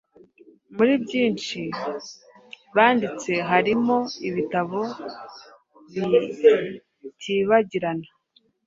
Muri byinshi banditse harimo ibitabo bitibagirana